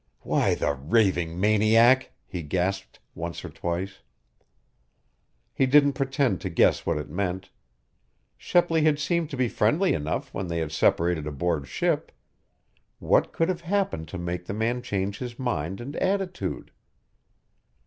"Why, the raving maniac!" he gasped, once or twice. He didn't pretend to guess what it meant. Shepley had seemed to be friendly enough when they had separated aboard ship. What could have happened to make the man change his mind and attitude?